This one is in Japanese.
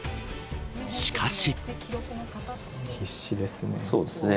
しかし。